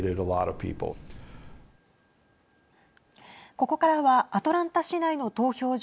ここからはアトランタ市内の投票所